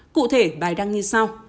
cụ thể bài đăng như sau